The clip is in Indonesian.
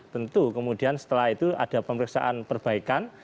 tentu kemudian setelah itu ada pemeriksaan perbaikan